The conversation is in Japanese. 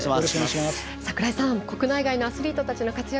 櫻井さん、国内外のアスリートたちの活躍